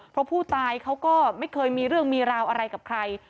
เพราะผู้ตายเขาก็ไม่เคยมีเรื่องมีราวอะไรกับใคร